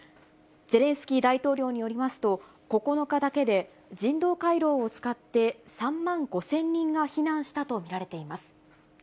ゼレンスキー大統領によりますと、９日だけで人道回廊を使って３万５０００人が避難したと見られています。